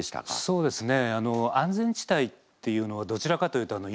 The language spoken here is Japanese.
そうですね